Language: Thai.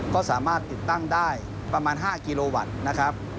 ก็สามารถติดตั้งได้ประมาณ๕กิโลวัตต์นะครับ